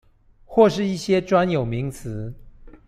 或是一些專有名詞